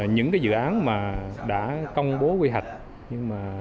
những dự án đã công bố quy hạch